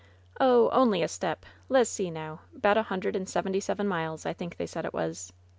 "Oh, only a step — le's see, now; 'bout a hundred and seventy seven miles, I think they said it was."